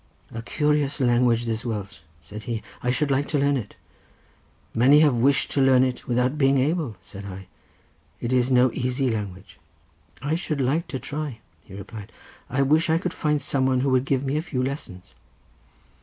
"'A curious language this Welsh,' said he; 'I should like to learn it.' "'Many have wished to learn it, without being able,' said I; 'it is no easy language.' "'I should like to try,' he replied; 'I wish I could find some one who would give me a few lessons.